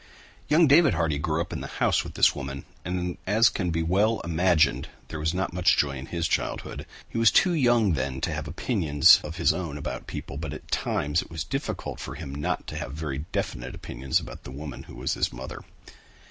Young David Hardy grew up in the house with this woman and as can well be imagined there was not much joy in his childhood. He was too young then to have opinions of his own about people, but at times it was difficult for him not to have very definite opinions about the woman who was his mother.